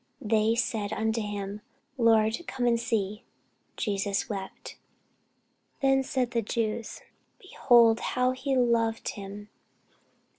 They said unto him, Lord, come and see. Jesus wept. Then said the Jews, Behold how he loved him!